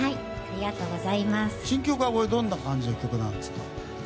新曲はどんな感じの曲ですか。